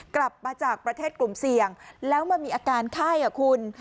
กลับมาจากประเทศกลุ่มเสี่ยงแล้วมามีอาการไข้อ่ะคุณ